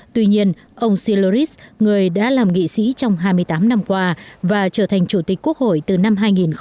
tuy nhiên ông silurit người đã làm nghị sĩ trong hai mươi tám năm qua và trở thành chủ tịch quốc hội từ năm hai nghìn một mươi